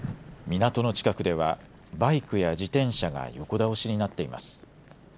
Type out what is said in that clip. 港の近くではバイクや自転車が横倒しになっています。